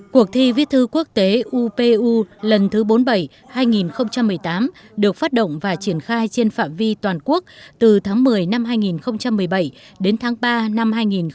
cuộc thi viết thư quốc tế upu lần thứ bốn mươi bảy hai nghìn một mươi tám được phát động và triển khai trên phạm vi toàn quốc từ tháng một mươi năm hai nghìn một mươi bảy đến tháng ba năm hai nghìn một mươi chín